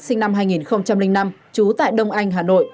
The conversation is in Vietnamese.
sinh năm hai nghìn năm trú tại đông anh hà nội